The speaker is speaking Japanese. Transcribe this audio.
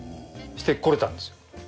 してこられたんですよ。